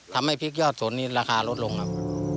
ทำให้พริกยอดสนนี้ราคาลดลงครับ